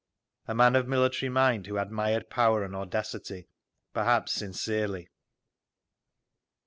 A man of military mind, who admired power and audacity, perhaps sincerely….